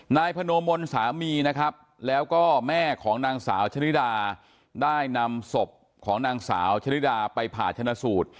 นายพโนมลสามีนะครับแล้วก็แม่ของนางสาวชะนิดาได้นำศพของนางสาวชะลิดาไปผ่าชนะสูตร